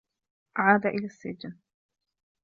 عاد إلى السّجن.